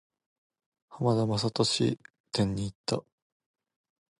浜田雅功展に行った。